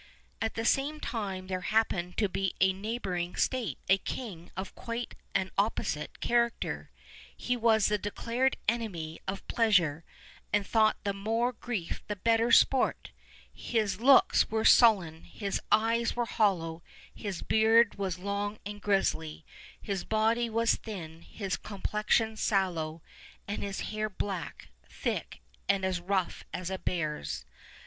At the same time there happened to be in a neighbor ing state a king of quite an opposite character. He was the declared enemy of pleasure, and thought the more grief the better sport; his looks were sullen, his eyes were hollow, his beard was long and grizzly, his body was thin, his complexion sallow, and his hair black, thick, and as rough as a bear's.